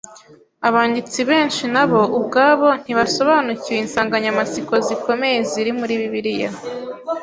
abanditsi benshi na bo ubwabo ntibasobanukiwe insanganyamatsiko zikomeye ziri muri Bibiliya